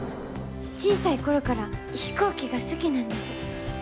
小さい頃から飛行機が好きなんです。